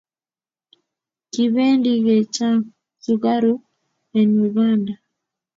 Kipendi ke cheng sukaruk en Uganda